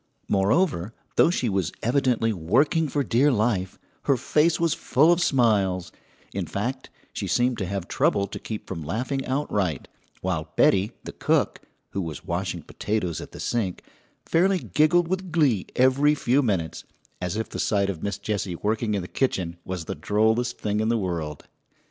] Moreover, though she was evidently working for dear life, her face was full of smiles; in fact, she seemed to have trouble to keep from laughing outright, while Betty, the cook, who was washing potatoes at the sink, fairly giggled with glee every few minutes, as if the sight of Miss Jessie working in the kitchen was the drollest thing in the world.